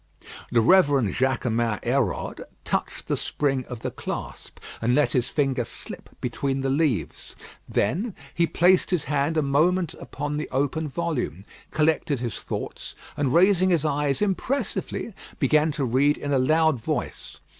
The Reverend Jaquemin Hérode touched the spring of the clasp, and let his finger slip between the leaves. Then he placed his hand a moment upon the open volume, collected his thoughts, and, raising his eyes impressively, began to read in a loud voice.